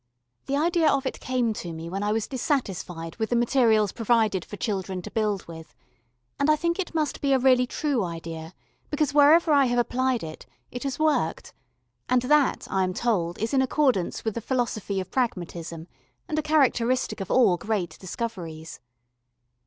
The idea of it came to me when I was dissatisfied with the materials provided for children to build with, and I think it must be a really true idea, because wherever I have applied it, it has worked, and that, I am told, is in accordance with the philosophy of pragmatism and a characteristic of all great discoveries.